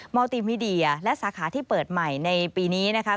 อลติมิเดียและสาขาที่เปิดใหม่ในปีนี้นะคะ